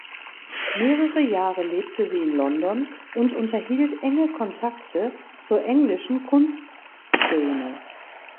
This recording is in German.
Mehrere Jahre lebte sie in London und unterhielt enge Kontakte zur englischen Kunstszene.